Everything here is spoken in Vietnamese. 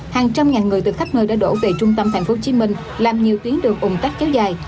hàng trăm ngàn người từ khắp nơi đã đổ về trung tâm tp hcm làm nhiều tuyến đường ủng tắc kéo dài